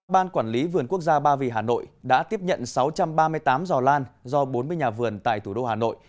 ban quản lý vườn quốc gia ba vì hà nội đã tiếp nhận sáu trăm ba mươi tám giò lan do bốn mươi nhà vườn tại thủ đô hà nội